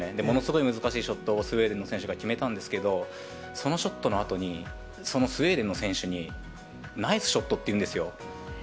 ものすごい難しいショットをスウェーデンの選手が決めたんですけど、そのショットのあとに、そのスウェーデンの選手に、ナイスショットって言うんですよ。